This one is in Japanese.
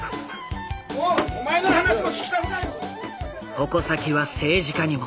矛先は政治家にも。